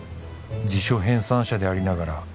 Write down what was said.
「辞書編纂者でありながら」